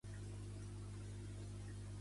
Pertany al moviment independentista la Vane?